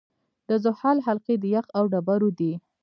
د زحل حلقې د یخ او ډبرو دي.